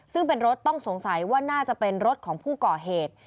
ซึ่งเป็นรถต้องสงสัยว่าน่าจะเป็นรถของผู้ก่อเหตุ